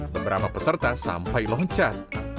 beberapa peserta sampai loncat